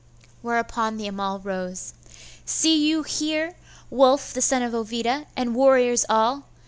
Whereupon the Amal rose. 'See you here, Wulf the son of Ovida, and warriors all!